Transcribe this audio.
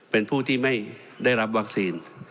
เป็นผู้ที่ไม่ได้รับวัคซีน